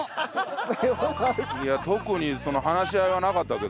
いや特にその話し合いはなかったけどね。